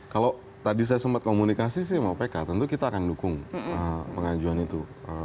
kalau tadi saya sempat komunikasi sih sama pk tentu kita akan dukung pengajuan itu